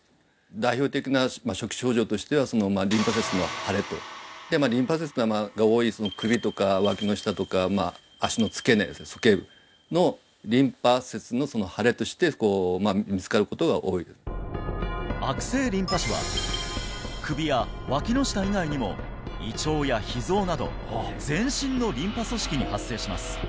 代表的な初期症状としてはリンパ節が多い首とかわきの下とか足の付け根そけい部のリンパ節の腫れとして見つかることが多い悪性リンパ腫は首やわきの下以外にも胃腸やひ臓など全身のリンパ組織に発生します